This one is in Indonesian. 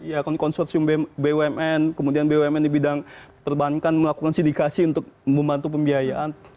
ya konsorsium bumn kemudian bumn di bidang perbankan melakukan sindikasi untuk membantu pembiayaan